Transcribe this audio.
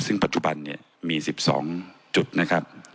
ซึ่งปัจจุบันเนี่ยมี๑๒จุดนะครับ